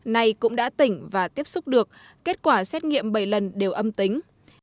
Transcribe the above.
nay cũng đã tỉnh và tiếp xúc được kết quả xét nghiệm bảy lần đều âm tính